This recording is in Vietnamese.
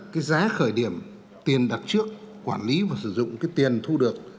cái giá khởi điểm tiền đặt trước quản lý và sử dụng cái tiền thu được